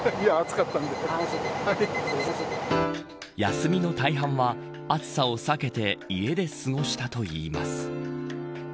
休みの大半は暑さを避けて家で過ごしたといいます。